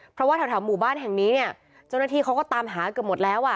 เพราะว่าแถวหมู่บ้านแห่งนี้เนี่ยเจ้าหน้าที่เขาก็ตามหาเกือบหมดแล้วอ่ะ